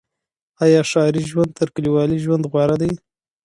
آيا ښاري ژوند تر کليوالي ژوند غوره دی؟